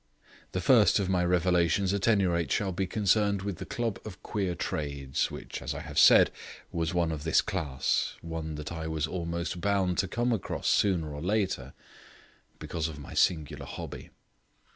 The first of my revelations, at any rate, shall be concerned with the Club of Queer Trades, which, as I have said, was one of this class, one which I was almost bound to come across sooner or later, because of my singular hobby.